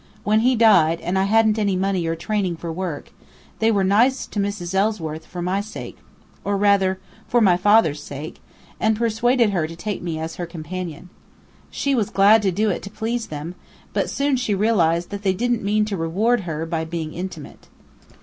When he died and I hadn't any money or training for work, they were nice to Mrs. Ellsworth for my sake or, rather, for my father's sake and persuaded her to take me as her companion. She was glad to do it to please them; but soon she realized that they didn't mean to reward her by being intimate.